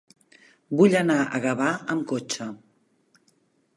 Vull anar a Gavà amb cotxe.